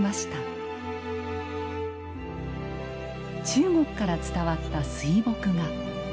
中国から伝わった水墨画。